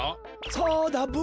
そうだブ。